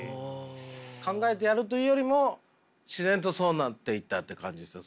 考えてやるというよりも自然とそうなっていったって感じですね。